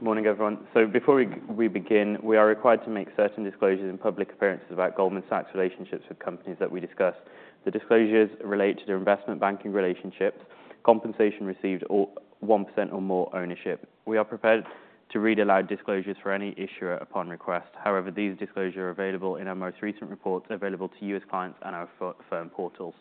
Morning, everyone. So before we begin, we are required to make certain disclosures and public appearances about Goldman Sachs' relationships with companies that we discuss. The disclosures relate to their investment banking relationships, compensation received, or 1% or more ownership. We are prepared to read aloud disclosures for any issuer upon request. However, these disclosures are available in our most recent reports, available to you as clients on our firm portals.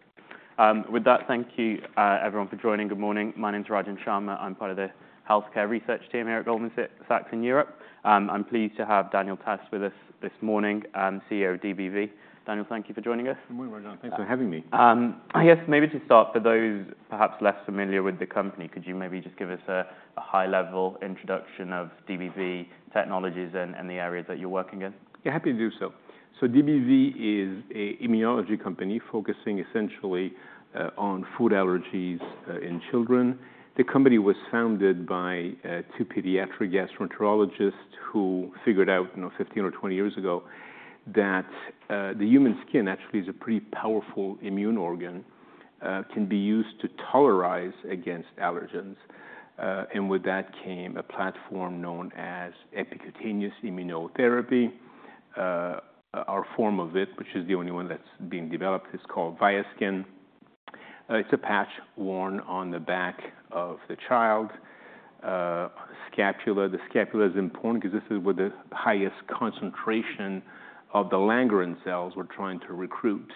With that, thank you, everyone, for joining. Good morning. My name is Rajan Sharma. I'm part of the healthcare research team here at Goldman Sachs in Europe. I'm pleased to have Daniel Tassé with us this morning, CEO of DBV. Daniel, thank you for joining us. Good morning, Rajan. Thanks for having me. I guess maybe to start, for those perhaps less familiar with the company, could you maybe just give us a high-level introduction of DBV Technologies and the areas that you're working in? Yeah, happy to do so. DBV is an immunology company focusing essentially on food allergies in children. The company was founded by two pediatric gastroenterologists who figured out, you know, 15 or 20 years ago that the human skin actually is a pretty powerful immune organ, can be used to tolerize against allergens. And with that came a platform known as epicutaneous immunotherapy. Our form of it, which is the only one that's being developed, is called viaskin. It's a patch worn on the back of the child, scapula. The scapula is important because this is where the highest concentration of the Langerhans cells we're trying to recruit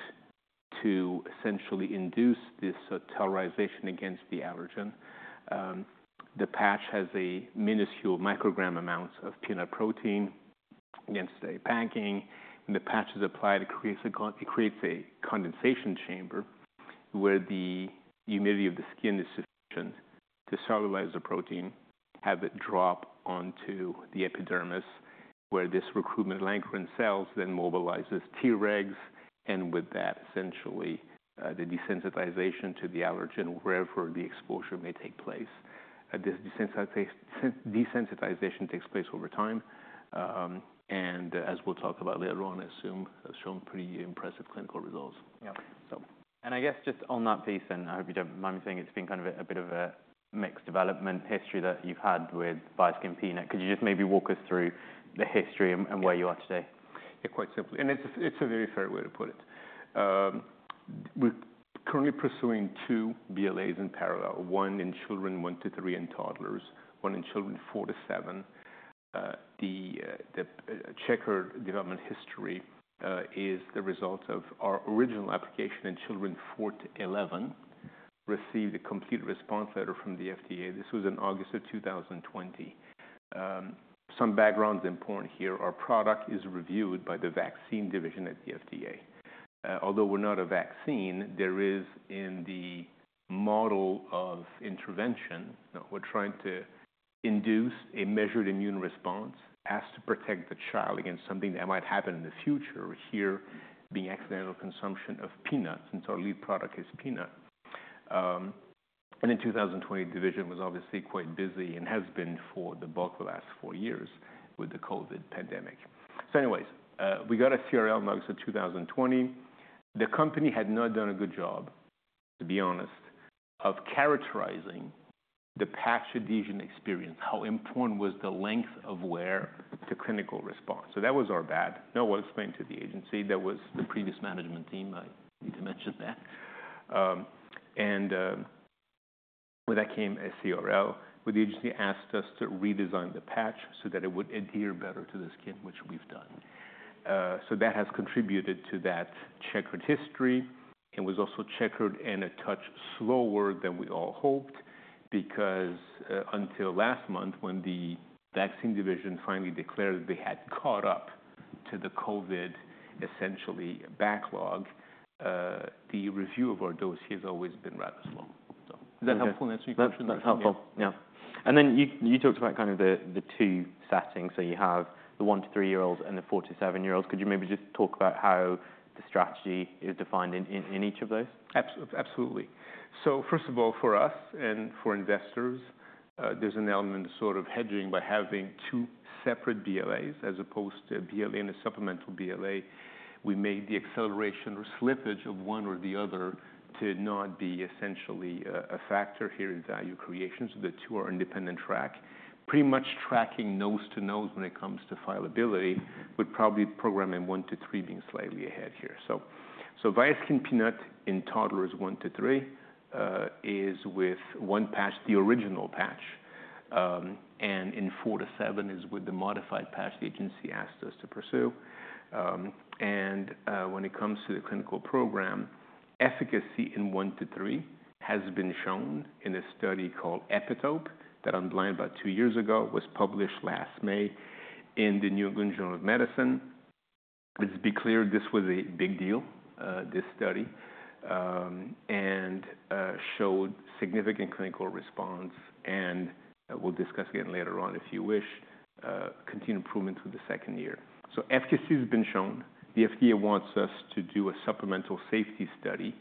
to essentially induce this tolerization against the allergen. The patch has a minuscule microgram amounts of peanut protein against a backing, and the patch is applied, it creates a condensation chamber, where the humidity of the skin is sufficient to solubilize the protein, have it drop onto the epidermis, where this recruitment Langerhans cells then mobilizes Tregs, and with that, essentially, the desensitization to the allergen wherever the exposure may take place. This desensitization takes place over time, and as we'll talk about later on, I assume, has shown pretty impressive clinical results. Yeah. So. I guess just on that piece, and I hope you don't mind me saying, it's been kind of a, a bit of a mixed development history that you've had with viaskin Peanut. Could you just maybe walk us through the history and, and where you are today? Yeah, quite simply, and it's a very fair way to put it. We're currently pursuing 2 BLAs in parallel, one in children 1 to 3 in toddlers, one in children 4 to 7. The checkered development history is the result of our original application in children 4 to 11, received a complete response letter from the FDA. This was in August of 2020. Some background is important here. Our product is reviewed by the vaccine division at the FDA. Although we're not a vaccine, there is, in the model of intervention, we're trying to induce a measured immune response as to protect the child against something that might happen in the future. Here, being accidental consumption of peanuts, since our lead product is peanut. In 2020, the division was obviously quite busy and has been for the bulk of the last four years with the COVID pandemic. So anyways, we got a CRL in August 2020. The company had not done a good job, to be honest, of characterizing the patch adhesion experience. How important was the length of wear to clinical response? So that was our bad. That's what I explained to the agency. That was the previous management team, I need to mention that. And with that came a CRL, where the agency asked us to redesign the patch so that it would adhere better to the skin, which we've done. So that has contributed to that checkered history, and was also checkered and a touch slower than we all hoped, because, until last month, when the vaccine division finally declared they had caught up to the COVID essentially backlog, the review of our dose has always been rather slow. So is that helpful in answering your question? That's helpful. Yeah. Yeah. And then you talked about kind of the two settings. So you have the 1-3-year-olds and the 4-7-year-olds. Could you maybe just talk about how the strategy is defined in each of those? Absolutely. So first of all, for us and for investors, there's an element of sort of hedging by having two separate BLAs as opposed to a BLA and a supplemental BLA. We made the acceleration or slippage of one or the other to not be essentially a factor here in value creation, so the two are independent track. Pretty much tracking nose to nose when it comes to filability, with probably program in 1-3 being slightly ahead here. So viaskin Peanut in toddlers 1-3 is with one patch, the original patch, and in 4-7 is with the modified patch the agency asked us to pursue. When it comes to the clinical program, efficacy in 1-3 has been shown in a study called EPITOPE that unblinded about 2 years ago, was published last May in the New England Journal of Medicine. Let's be clear, this was a big deal, this study, and showed significant clinical response, and we'll discuss again later on, if you wish, continued improvement through the second year. So efficacy has been shown. The FDA wants us to do a supplemental safety study,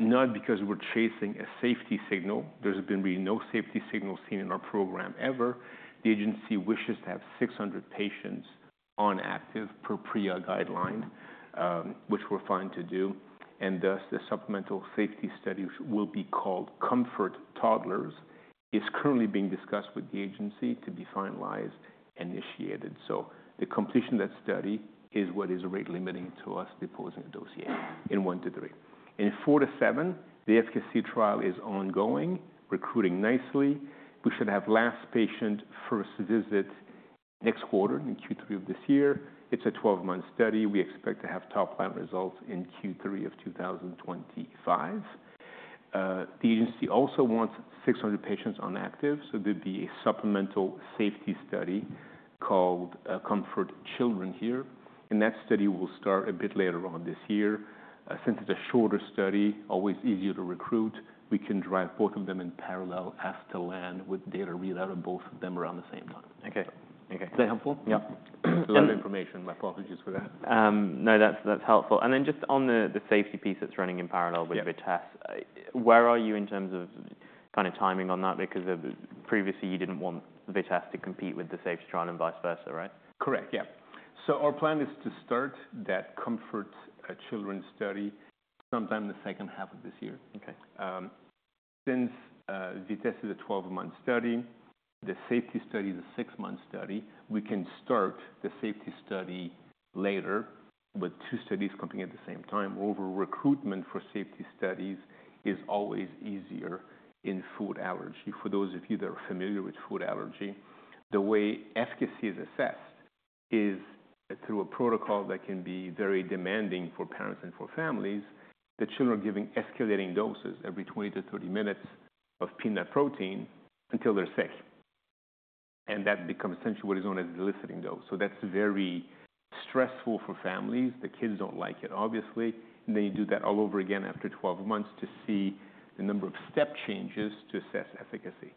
not because we're chasing a safety signal. There's been really no safety signal seen in our program ever. The agency wishes to have 600 patients on active per PREA guideline, which we're fine to do, and thus the supplemental safety study, which will be called COMFORT Toddlers, is currently being discussed with the agency to be finalized, initiated. So the completion of that study is what is rate limiting to us deposing a dossier in 1-3. In 4-7, the efficacy trial is ongoing, recruiting nicely. We should have last patient first visit next quarter, in Q3 of this year. It's a 12-month study. We expect to have top-line results in Q3 of 2025. The agency also wants 600 patients on active, so there'd be a supplemental safety study called COMFORT Children here, and that study will start a bit later on this year. Since it's a shorter study, always easier to recruit, we can drive both of them in parallel as to when, with data readout on both of them around the same time. Okay. Okay. Is that helpful? Yeah. A lot of information. My apologies for that. No, that's, that's helpful. And then just on the, the safety piece that's running in parallel- Yeah -with VITESSE, where are you in terms of kind of timing on that? Because previously, you didn't want VITESSE to compete with the safety trial and vice versa, right? Correct, yeah. So our plan is to start that COMFORT Children study sometime in the second half of this year. Okay. Since VITESSE is a 12-month study, the safety study is a 6-month study, we can start the safety study later, with two studies coming at the same time. Over recruitment for safety studies is always easier in food allergy. For those of you that are familiar with food allergy, the way efficacy is assessed is through a protocol that can be very demanding for parents and for families. The children are giving escalating doses every 20-30 minutes of peanut protein until they're sick, and that becomes essentially what is known as the eliciting dose. So that's very stressful for families. The kids don't like it, obviously, and they do that all over again after 12 months to see the number of step changes to assess efficacy.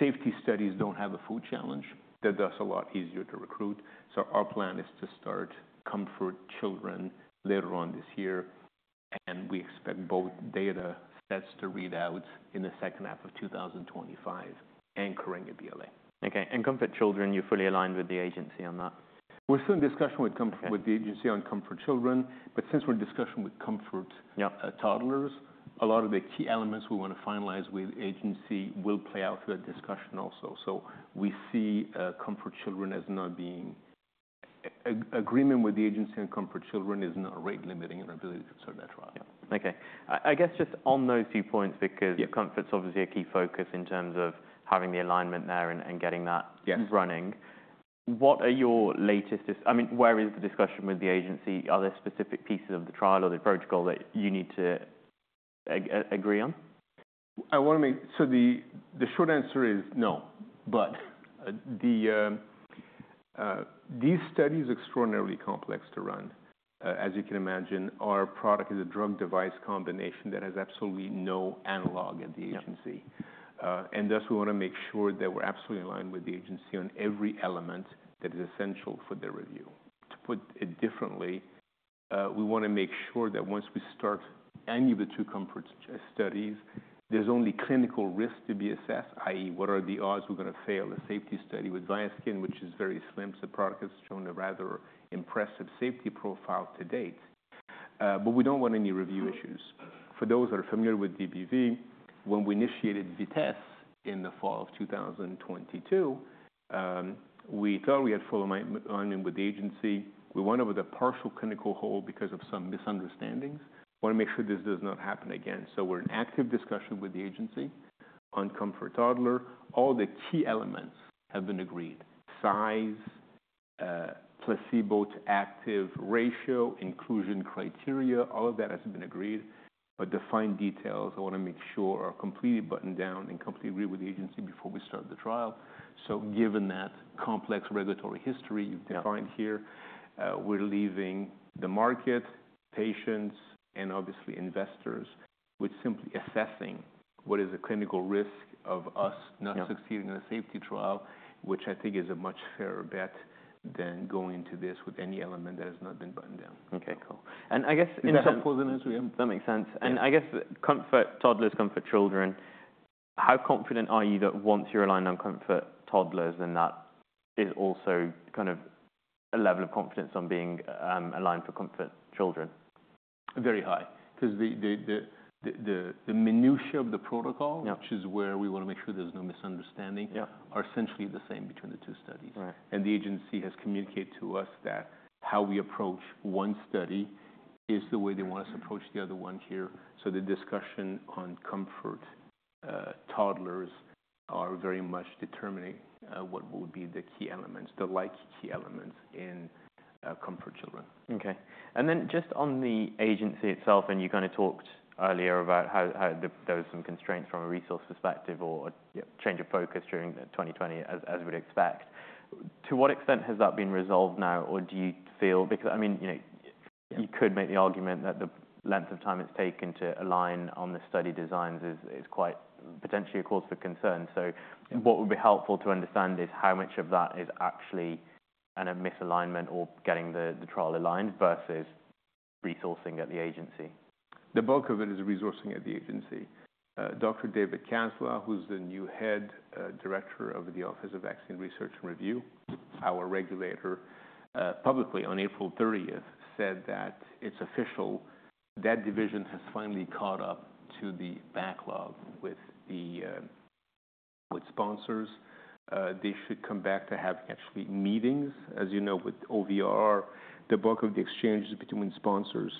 Safety studies don't have a food challenge. They're thus a lot easier to recruit. So our plan is to start COMFORT Children later on this year, and we expect both data sets to read out in the second half of 2025 and current BLA. Okay, and COMFORT Children, you're fully aligned with the agency on that? We're still in discussion with COMFORT- Okay... with the agency on COMFORT Children, but since we're in discussion with COMFORT- Yeah Toddlers, a lot of the key elements we want to finalize with agency will play out through that discussion also. So we see COMFORT Children as not being... agreement with the agency on COMFORT Children is not rate limiting in our ability to start that trial. Yeah. Okay. I guess just on those two points, because- Yeah COMFORT's obviously a key focus in terms of having the alignment there and getting that. Yes What are your latest... I mean, where is the discussion with the agency? Are there specific pieces of the trial or the protocol that you need to agree on? The short answer is no. But this study is extraordinarily complex to run. As you can imagine, our product is a drug device combination that has absolutely no analog at the agency. Yeah. Thus, we want to make sure that we're absolutely aligned with the agency on every element that is essential for the review. To put it differently, we want to make sure that once we start any of the two COMFORT studies, there's only clinical risk to be assessed, i.e., what are the odds we're going to fail a safety study with viaskin, which is very slim. So the product has shown a rather impressive safety profile to date, but we don't want any review issues. For those who are familiar with DBV, when we initiated VITESSE in the fall of 2022, we thought we had full alignment with the agency. We went over the partial clinical hold because of some misunderstandings. Want to make sure this does not happen again. So we're in active discussion with the agency on COMFORT Toddlers. All the key elements have been agreed: size, placebo to active ratio, inclusion criteria. All of that has been agreed, but defined details, I want to make sure are completely buttoned down and completely agree with the agency before we start the trial. So given that complex regulatory history- Yeah you've defined here, we're leaving the market, patients, and obviously investors, with simply assessing what is the clinical risk of us. Yeah not succeeding in a safety trial, which I think is a much fairer bet than going into this with any element that has not been buttoned down. Okay, cool. And I guess- Is that helpful, Nathaniel? That makes sense. Yeah. I guess COMFORT Toddlers, COMFORT Children, how confident are you that once you're aligned on COMFORT Toddlers, then that is also kind of a level of confidence on being aligned for COMFORT Children? Very high, 'cause the minutiae of the protocol- Yeah which is where we want to make sure there's no misunderstanding. Yeah are essentially the same between the two studies. Right. And the agency has communicated to us that how we approach one study is the way they want us to approach the other one here. So the discussion on COMFORT Toddlers are very much determining what will be the key elements, the like key elements in COMFORT Children. Okay. And then just on the agency itself, and you kind of talked earlier about how there were some constraints from a resource perspective or- Yeah Change of focus during the 2020, as we'd expect. To what extent has that been resolved now, or do you feel...? Because, I mean, you know, you could make the argument that the length of time it's taken to align on the study designs is quite potentially a cause for concern. So what would be helpful to understand is how much of that is actually kind of misalignment or getting the trial aligned versus resourcing at the agency? The bulk of it is resourcing at the agency. Dr. David Kaslow, who's the new head, director of the Office of Vaccines Research and Review, our regulator, publicly on April thirtieth, said that it's official, that division has finally caught up to the backlog with the, with sponsors. They should come back to have actually meetings. As you know, with OVR, the bulk of the exchanges between sponsors,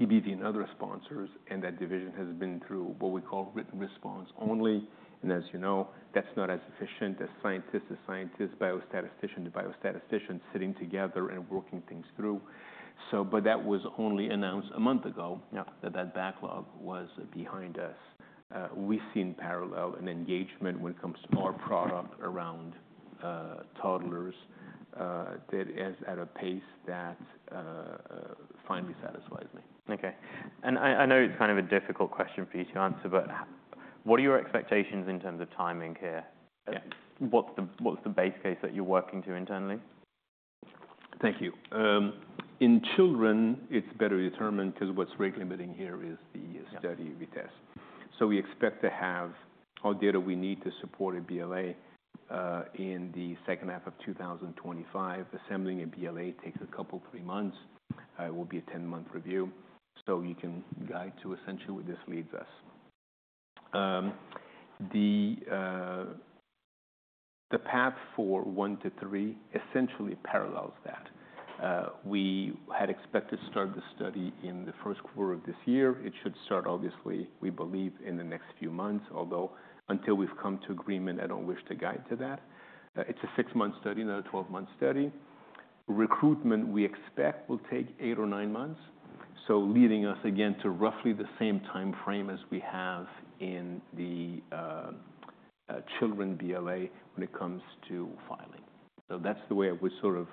DBV and other sponsors, and that division has been through what we call written response only. And as you know, that's not as efficient as scientist to scientist, biostatistician to biostatistician, sitting together and working things through. So, but that was only announced a month ago- Yeah that the backlog was behind us. We've seen parallel and engagement when it comes to our product around toddlers that is at a pace that finally satisfies me. Okay. And I, I know it's kind of a difficult question for you to answer, but what are your expectations in terms of timing here? Yeah. What's the base case that you're working to internally? Thank you. In children, it's better determined because what's really limiting here is the study we test. Yeah. So we expect to have all data we need to support a BLA in the second half of 2025. Assembling a BLA takes a couple, three months. It will be a 10-month review, so you can guide to essentially where this leads us. The path for 1 to 3 essentially parallels that. We had expected to start the study in the first quarter of this year. It should start, obviously, we believe, in the next few months, although until we've come to agreement, I don't wish to guide to that. It's a 6-month study, not a 12-month study. Recruitment, we expect, will take 8 or 9 months, so leading us again to roughly the same timeframe as we have in the children BLA when it comes to filing. So that's the way I would sort of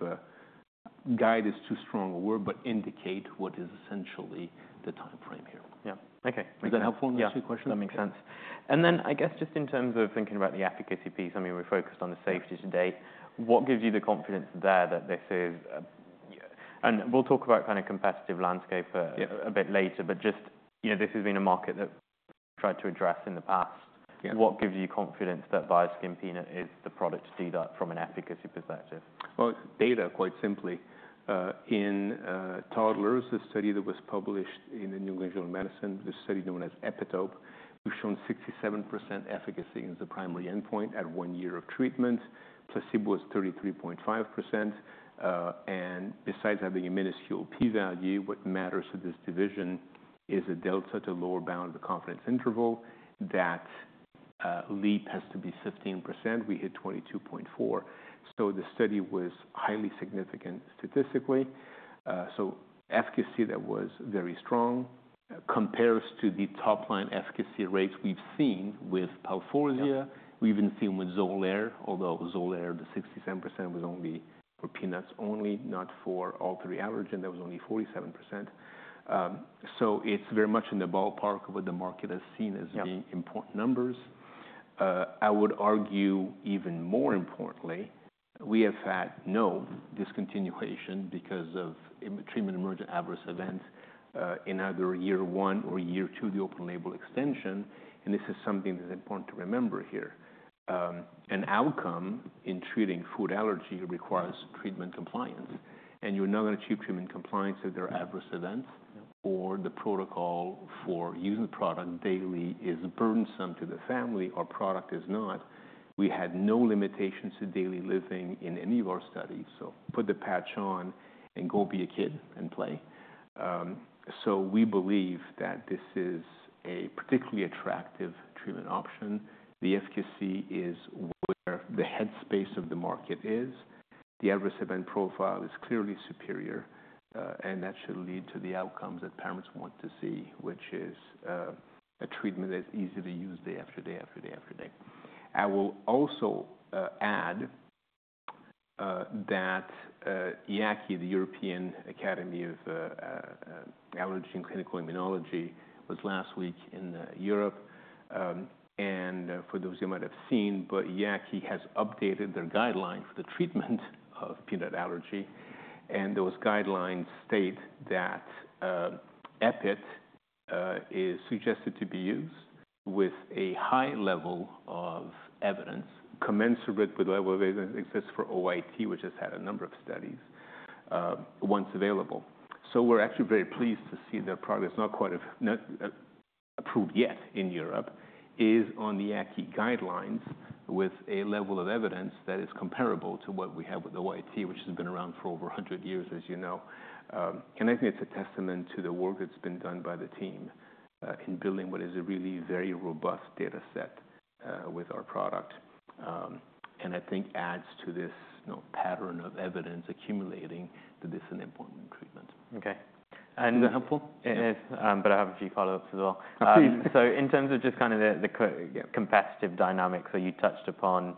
guide is too strong a word, but indicate what is essentially the timeframe here. Yeah. Okay. Is that helpful, those two questions? Yeah, that makes sense. And then I guess just in terms of thinking about the efficacy piece, I mean, we're focused on the safety to date. What gives you the confidence there that this is... And we'll talk about kind of competitive landscape a- Yeah A bit later, but just, you know, this has been a market that we've tried to address in the past. Yeah. What gives you confidence that viaskin Peanut is the product to do that from an efficacy perspective? Well, it's data, quite simply. In toddlers, the study that was published in the New England Journal of Medicine, the study known as EPITOPE, we've shown 67% efficacy as the primary endpoint at one year of treatment. Placebo was 33.5%. And besides having a minuscule p-value, what matters to this division is a delta to lower bound the confidence interval. That leap has to be 15%. We hit 22.4%. So the study was highly significant statistically. So efficacy, that was very strong, compares to the top line efficacy rates we've seen with Palforzia. Yeah. We've even seen with Xolair, although Xolair, the 67%, was only for peanuts only, not for all three allergen. That was only 47%. So it's very much in the ballpark of what the market has seen as- Yeah the important numbers. I would argue, even more importantly, we have had no discontinuation because of treatment-emergent adverse events in either year 1 or year 2, the open-label extension, and this is something that's important to remember here. An outcome in treating food allergy requires treatment compliance, and you'll not achieve treatment compliance if there are adverse events- Yeah - or the protocol for using the product daily is burdensome to the family. Our product is not. We had no limitations to daily living in any of our studies, so put the patch on and go be a kid and play. So we believe that this is a particularly attractive treatment option. The efficacy is where the headspace of the market is. The adverse event profile is clearly superior, and that should lead to the outcomes that parents want to see, which is, a treatment that's easy to use day after day after day after day. I will also add, that, EAACI, the European Academy of, Allergy and Clinical Immunology, was last week in, Europe. and for those who might have seen, but EAACI has updated their guidelines for the treatment of peanut allergy, and those guidelines state that, EPIT, is suggested to be used with a high level of evidence, commensurate with the level of evidence that exists for OIT, which has had a number of studies, once available. So we're actually very pleased to see their progress, not quite approved yet in Europe, is on the EAACI guidelines with a level of evidence that is comparable to what we have with OIT, which has been around for over a hundred years, as you know. and I think it's a testament to the work that's been done by the team, in building what is a really very robust data set, with our product. I think adds to this, you know, pattern of evidence accumulating that this is an important treatment. Okay. And- Is that helpful? It is, but I have a few follow-ups as well. Please. So in terms of just kind of the competitive dynamics that you touched upon,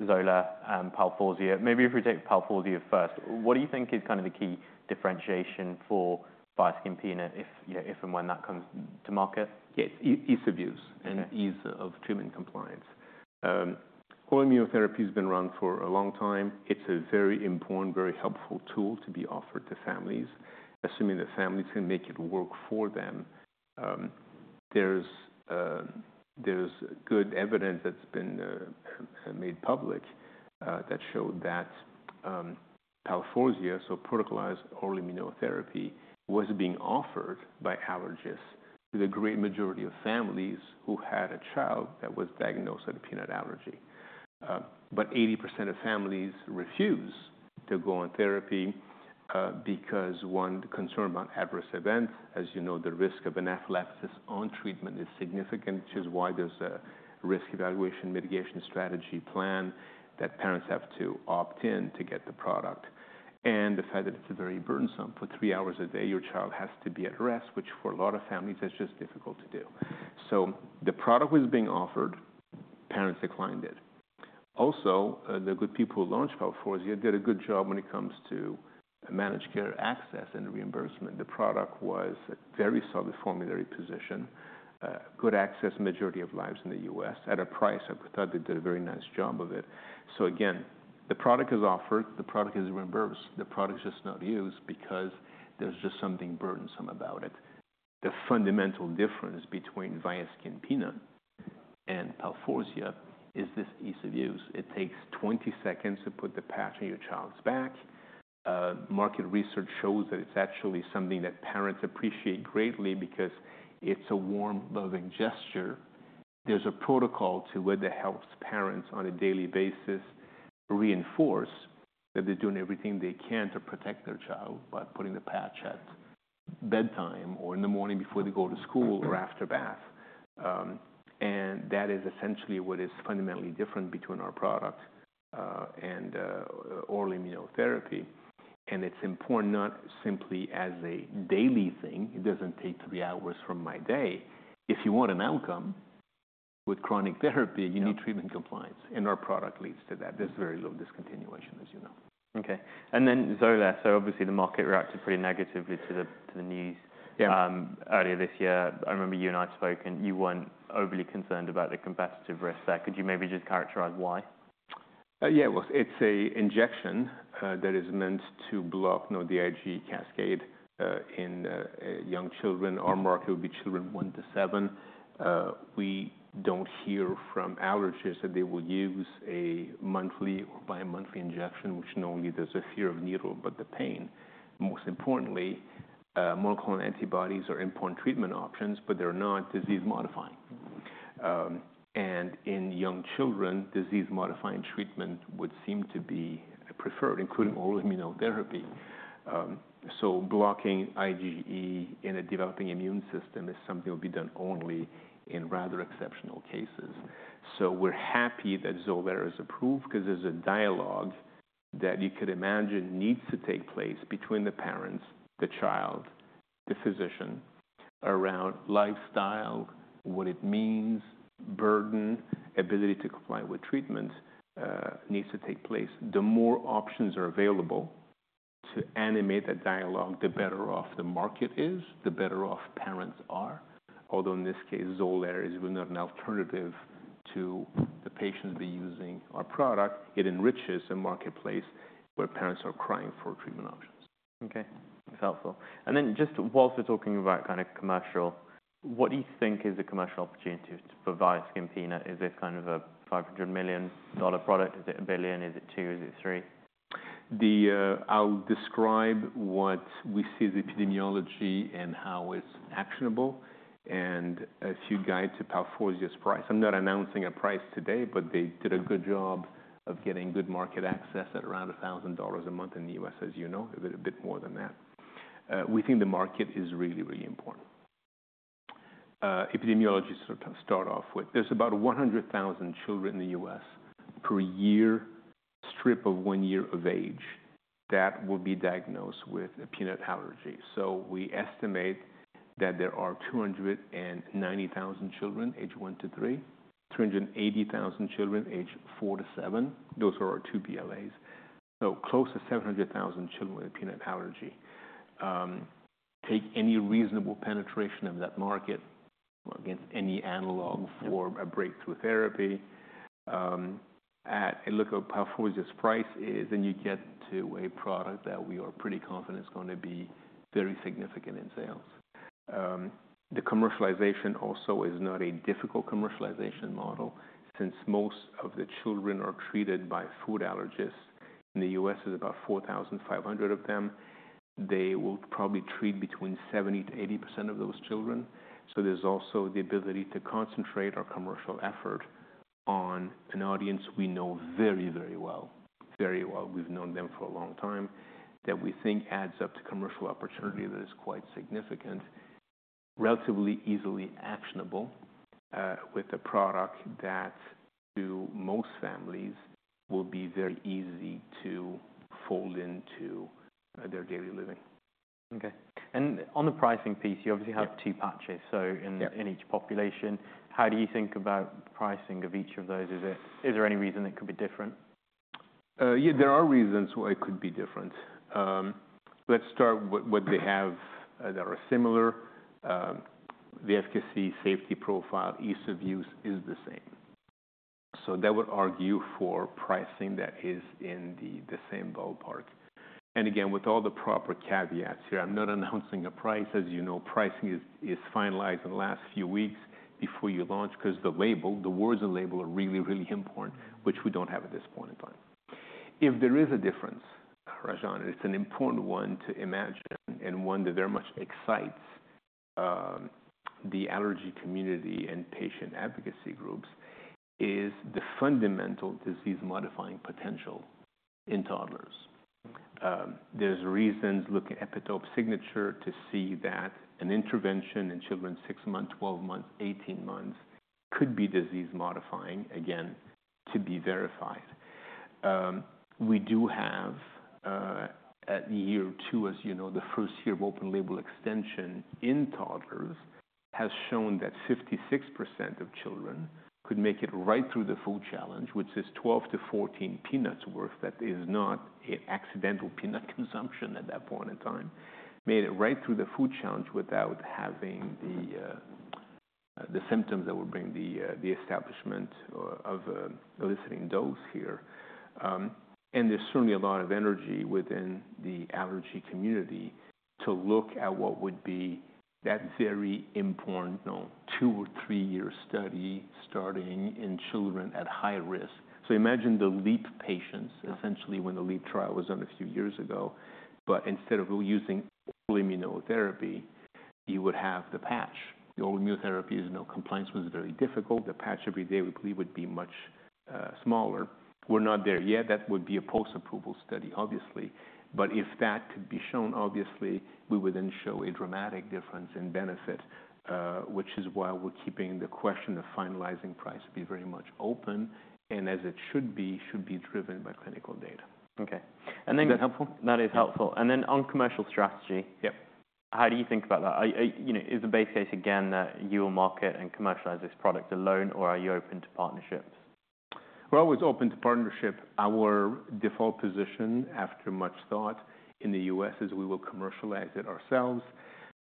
Xolair and Palforzia. Maybe if we take Palforzia first, what do you think is kind of the key differentiation for viaskin Peanut if, you know, if and when that comes to market? It's ease of use. Okay... and ease of treatment compliance. Oral immunotherapy has been around for a long time. It's a very important, very helpful tool to be offered to families, assuming the family can make it work for them. There's good evidence that's been made public that showed that PALFORZIA, so protocolized oral immunotherapy, was being offered by allergists to the great majority of families who had a child that was diagnosed with a peanut allergy. But 80% of families refuse to go on therapy because, one, the concern about adverse events. As you know, the risk of anaphylaxis on treatment is significant, which is why there's a risk evaluation mitigation strategy plan that parents have to opt in to get the product. The fact that it's very burdensome. For 3 hours a day, your child has to be at rest, which for a lot of families, is just difficult to do. So the product was being offered, parents declined it. Also, the good people who launched Palforzia did a good job when it comes to managed care access and reimbursement. The product was a very solid formulary position, good access, majority of lives in the U.S. at a price. I thought they did a very nice job of it. So again, the product is offered, the product is reimbursed, the product is just not used because there's just something burdensome about it. The fundamental difference between viaskin Peanut and Palforzia is this ease of use. It takes 20 seconds to put the patch on your child's back. Market research shows that it's actually something that parents appreciate greatly because it's a warm, loving gesture. There's a protocol to it that helps parents on a daily basis reinforce that they're doing everything they can to protect their child by putting the patch at bedtime or in the morning before they go to school or after bath. And that is essentially what is fundamentally different between our product and oral immunotherapy. It's important not simply as a daily thing. It doesn't take three hours from my day. If you want an outcome with chronic therapy- Yeah. You need treatment compliance, and our product leads to that. There's very low discontinuation, as you know. Okay. And then Xolair, so obviously, the market reacted pretty negatively to the news- Yeah... earlier this year. I remember you and I had spoken. You weren't overly concerned about the competitive risk there. Could you maybe just characterize why? Yeah. Well, it's an injection that is meant to block the IgE cascade in young children. Our market would be children 1-7. We don't hear from allergists that they will use a monthly or bi-monthly injection, which normally there's a fear of needle, but the pain. Most importantly, monoclonal antibodies are important treatment options, but they're not disease-modifying. And in young children, disease-modifying treatment would seem to be preferred, including oral immunotherapy. So blocking IgE in a developing immune system is something that will be done only in rather exceptional cases. So we're happy that Xolair is approved because there's a dialogue that you could imagine needs to take place between the parents, the child, the physician around lifestyle, what it means, burden, ability to comply with treatment needs to take place. The more options are available to animate that dialogue, the better off the market is, the better off parents are. Although in this case, Xolair is not an alternative to the patient be using our product. It enriches the marketplace where parents are crying for treatment options. Okay, that's helpful. And then just whilst we're talking about kind of commercial, what do you think is the commercial opportunity to provide viaskin Peanut? Is this kind of a $500 million product? Is it a billion? Is it two? Is it three? I'll describe what we see the epidemiology and how it's actionable, and a few guide to PALFORZIA's price. I'm not announcing a price today, but they did a good job of getting good market access at around $1,000 a month in the US, as you know, a bit more than that. We think the market is really, really important. Epidemiology to sort of start off with, there's about 100,000 children in the US per year, strip of one year of age, that will be diagnosed with a peanut allergy. So we estimate that there are 290,000 children, age one to three, 380,000 children, age four to seven. Those are our two BLAs. So close to 700,000 children with a peanut allergy. Take any reasonable penetration of that market against any analog- Yeah... for a breakthrough therapy, at a look at PALFORZIA's price is, and you get to a product that we are pretty confident is gonna be very significant in sales. The commercialization also is not a difficult commercialization model, since most of the children are treated by food allergists. In the U.S., there's about 4,500 of them. They will probably treat between 70%-80% of those children. So there's also the ability to concentrate our commercial effort on an audience we know very, very well. Very well. We've known them for a long time, that we think adds up to commercial opportunity that is quite significant, relatively easily actionable, with a product that to most families, will be very easy to fold into, their daily living. Okay. On the pricing piece, you obviously have- Yeah two patches, so in- Yeah... in each population. How do you think about pricing of each of those? Is it- is there any reason it could be different?... Yeah, there are reasons why it could be different. Let's start with what they have that are similar. The efficacy, safety profile, ease of use is the same. So that would argue for pricing that is in the same ballpark. And again, with all the proper caveats here, I'm not announcing a price. As you know, pricing is finalized in the last few weeks before you launch, 'cause the label, the words and label are really, really important, which we don't have at this point in time. If there is a difference, Rajan, it's an important one to imagine, and one that very much excites the allergy community and patient advocacy groups, is the fundamental disease-modifying potential in toddlers. There's reasons, look at EPITOPE signature, to see that an intervention in children 6 months, 12 months, 18 months could be disease modifying, again, to be verified. We do have, at year 2, as you know, the first year of open label extension in toddlers has shown that 56% of children could make it right through the food challenge, which is 12-14 peanuts worth. That is not an accidental peanut consumption at that point in time. Made it right through the food challenge without having the, the symptoms that would bring the, the establishment of eliciting dose here. And there's certainly a lot of energy within the allergy community to look at what would be that very important, you know, 2- or 3-year study starting in children at high risk. So imagine the LEAP patients, essentially, when the LEAP trial was done a few years ago, but instead of using immunotherapy, you would have the patch. The immunotherapy is, you know, compliance was very difficult. The patch every day we believe would be much smaller. We're not there yet. That would be a post-approval study, obviously, but if that could be shown, obviously we would then show a dramatic difference in benefit, which is why we're keeping the question of finalizing price be very much open, and as it should be, should be driven by clinical data. Okay, and then- Is that helpful? That is helpful. And then on commercial strategy- Yep. How do you think about that? You know, is the base case, again, that you will market and commercialize this product alone, or are you open to partnerships? We're always open to partnership. Our default position, after much thought in the US, is we will commercialize it ourselves.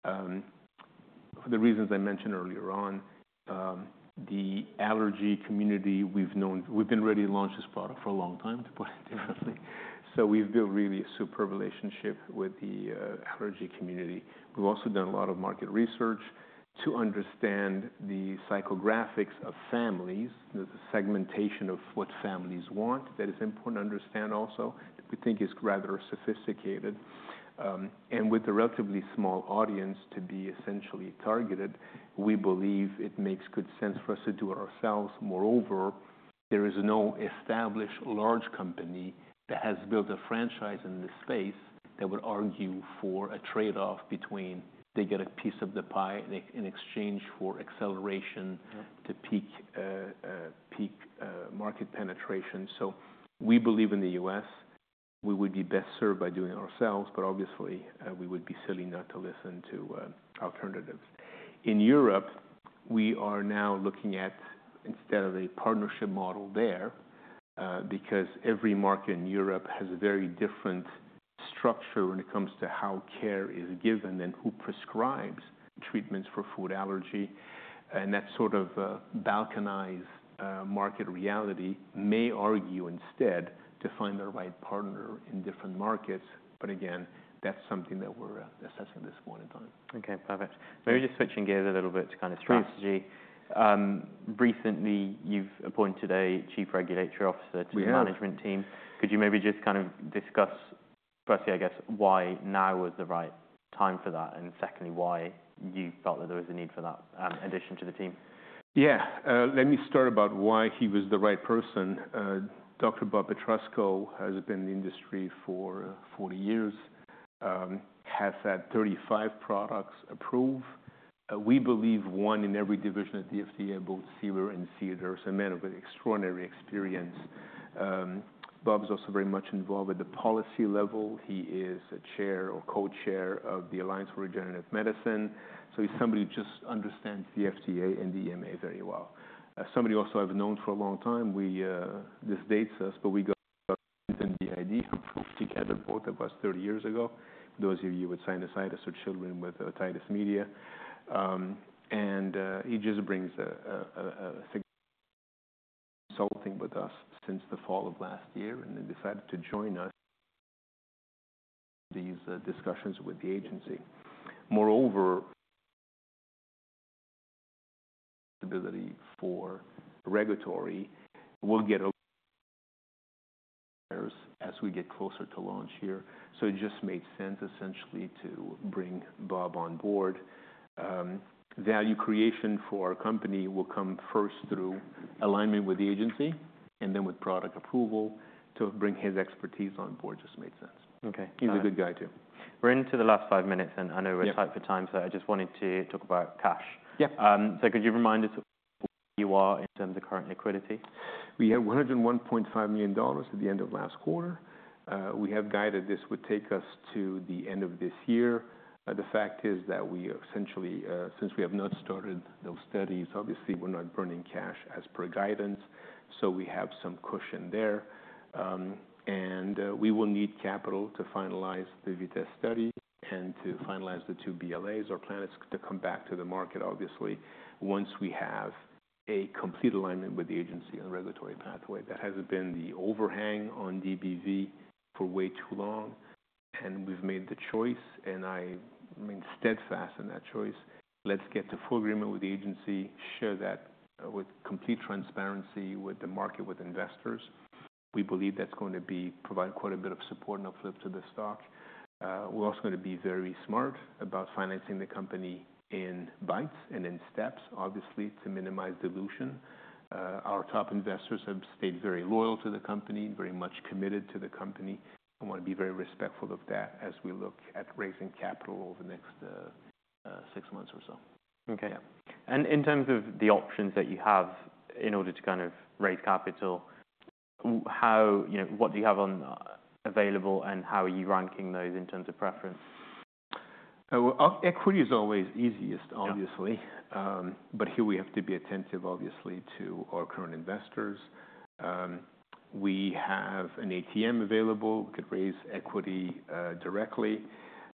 For the reasons I mentioned earlier on, the allergy community, we've been ready to launch this product for a long time, to put it honestly. So we've built really a superb relationship with the allergy community. We've also done a lot of market research to understand the psychographics of families, the segmentation of what families want. That is important to understand also, we think it's rather sophisticated. And with the relatively small audience to be essentially targeted, we believe it makes good sense for us to do it ourselves. Moreover, there is no established large company that has built a franchise in this space that would argue for a trade-off between they get a piece of the pie in exchange for acceleration- Yeah... to peak market penetration. So we believe in the U.S., we would be best served by doing it ourselves, but obviously, we would be silly not to listen to alternatives. In Europe, we are now looking at instead of a partnership model there, because every market in Europe has a very different structure when it comes to how care is given and who prescribes treatments for food allergy. And that sort of Balkanized market reality may argue instead to find the right partner in different markets. But again, that's something that we're assessing at this point in time. Okay, perfect. Maybe just switching gears a little bit to kind of strategy. Sure. Recently, you've appointed a Chief Regulatory Officer. We have. to the management team. Could you maybe just kind of discuss, firstly, I guess, why now is the right time for that? And secondly, why you felt that there was a need for that addition to the team? Yeah. Let me start about why he was the right person. Dr. Bob Petrusko has been in the industry for 40 years, has had 35 products approved. We believe one in every division at the FDA, both CDER and CBER, a man of extraordinary experience. Bob is also very much involved at the policy level. He is a chair or co-chair of the Alliance for Regenerative Medicine, so he's somebody who just understands the FDA and the EMA very well. As somebody also I've known for a long time, we... This dates us, but we got together, both of us, 30 years ago. Those of you with sinusitis or children with otitis media. And he just brings a significant consulting with us since the fall of last year, and then decided to join us these discussions with the agency. Moreover, ability for regulatory will get as we get closer to launch here, so it just made sense, essentially, to bring Bob on board. Value creation for our company will come first through alignment with the agency and then with product approval. To bring his expertise on board just made sense. Okay. He's a good guy, too. We're into the last five minutes, and I know- Yeah We're tight for time, so I just wanted to talk about cash. Yeah. Could you remind us you are in terms of current liquidity? We have $101.5 million at the end of last quarter. We have guided this would take us to the end of this year. The fact is that we essentially, since we have not started those studies, obviously we're not burning cash as per guidance, so we have some cushion there. We will need capital to finalize the VITESSE study and to finalize the two BLAs. Our plan is to come back to the market, obviously, once we have a complete alignment with the agency on regulatory pathway. That has been the overhang on DBV for way too long, and we've made the choice, and I remain steadfast in that choice. Let's get to full agreement with the agency, share that with complete transparency, with the market, with investors. We believe that's going to be providing quite a bit of support and uplift to the stock. We're also going to be very smart about financing the company in bites and in steps, obviously, to minimize dilution. Our top investors have stayed very loyal to the company, very much committed to the company. I want to be very respectful of that as we look at raising capital over the next, six months or so. Okay. And in terms of the options that you have in order to kind of raise capital, how... You know, what do you have available, and how are you ranking those in terms of preference? Well, equity is always easiest, obviously. Yeah. But here we have to be attentive, obviously, to our current investors. We have an ATM available. We could raise equity directly.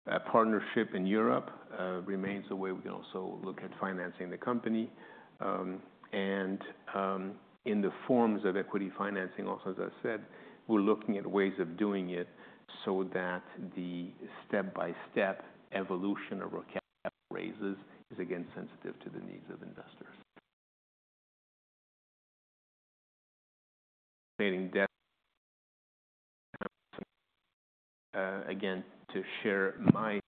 A partnership in Europe remains a way. We can also look at financing the company. And, in the forms of equity financing, also, as I said, we're looking at ways of doing it so that the step-by-step evolution or raises is again sensitive to the needs of investors. Staying debt, again, to share my...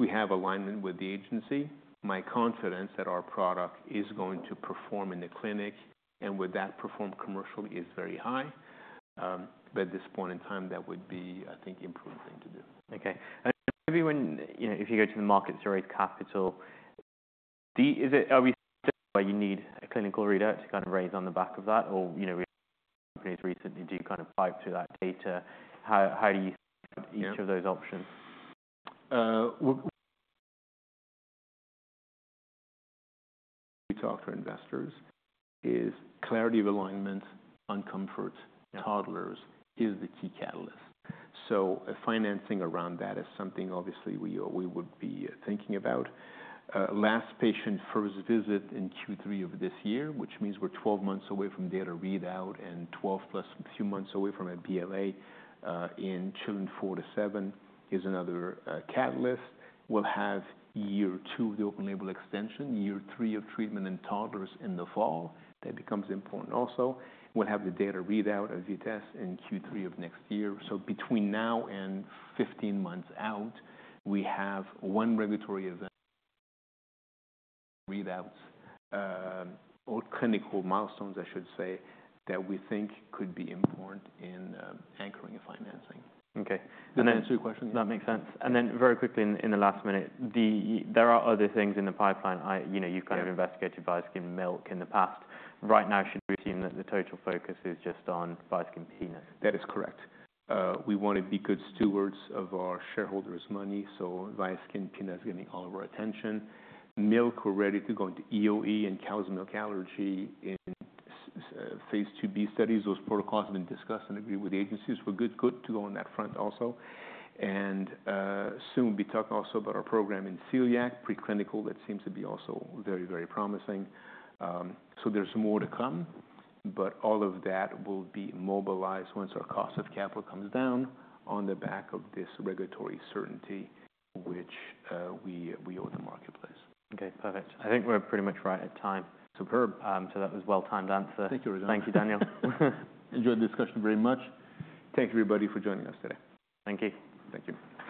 We have alignment with the agency. My confidence that our product is going to perform in the clinic, and with that perform commercially, is very high. But at this point in time, that would be, I think, improved thing to do. Okay. And maybe when, you know, if you go to the market to raise capital, but you need a clinical readout to kind of raise on the back of that? Or, you know, we recently do kind of pipe to that data. How do you each of those options? We talk to investors, is clarity of alignment on COMFORT Toddlers is the key catalyst. So financing around that is something obviously we would be thinking about. Last patient first visit in Q3 of this year, which means we're 12 months away from data readout and 12 + a few months away from a BLA in 2 and 4-7 is another catalyst. We'll have year 2, the open label extension, year 3 of treatment in toddlers in the fall. That becomes important also. We'll have the data readout of VITESSE in Q3 of next year. So between now and 15 months out, we have 1 regulatory event readouts or clinical milestones, I should say, that we think could be important in anchoring a financing. Okay, and then- Two questions. That makes sense. And then very quickly, in the last minute, there are other things in the pipeline. You know- Yeah. You've kind of investigated viaskin Milk in the past. Right now, should we assume that the total focus is just on viaskin Peanut? That is correct. We want to be good stewards of our shareholders' money, so viaskin Peanut is getting all of our attention. Milk, we're ready to go into EoE and cow's milk allergy in phase 2b studies. Those protocols have been discussed and agreed with the agencies. We're good, good to go on that front also. And soon be talking also about our program in celiac, preclinical. That seems to be also very, very promising. So there's more to come, but all of that will be mobilized once our cost of capital comes down on the back of this regulatory certainty, which we owe the marketplace. Okay, perfect. I think we're pretty much right at time. Superb. So that was a well-timed answer. Thank you very much. Thank you, Daniel. Enjoyed the discussion very much. Thank you, everybody, for joining us today. Thank you. Thank you.